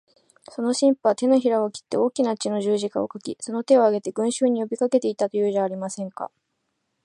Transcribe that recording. その神父は、てのひらを切って大きな血の十字架を書き、その手を上げて、群集に呼びかけていた、というじゃありませんか。